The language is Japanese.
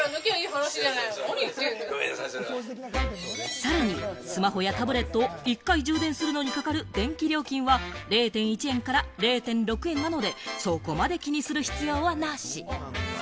さらにスマホやタブレットを１回充電するのにかかる電気料金は０．１円から０．６円なので、そこまで気にする必要はなし。